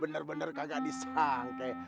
bener bener gak disangkeh